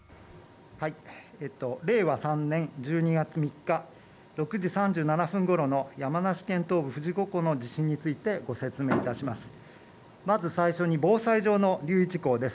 令和３年１２月３日、６時３７分ごろの山梨県東部富士五湖の地震についてご説明いたします。